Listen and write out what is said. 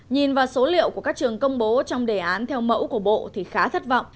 nhìn vào số liệu của các trường công bố trong đề án theo mẫu của bộ thì khá thất vọng